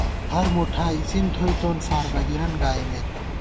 ہر مُٹھا اِڅِن تھوئیتوں ، فار بَگِرَن گائیمېت